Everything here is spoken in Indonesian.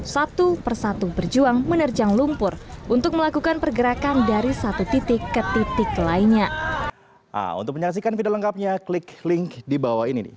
satu persatu berjuang menerjang lumpur untuk melakukan pergerakan dari satu titik ke titik lainnya